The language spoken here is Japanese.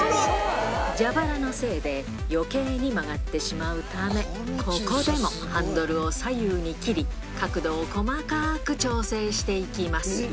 蛇腹のせいでよけいに曲がってしまうため、ここでもハンドルを左右に切り、角度を細かく調整していきます。